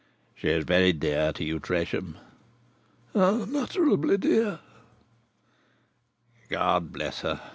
"She is very dear to you, Tresham?" "Unutterably dear." "God bless her!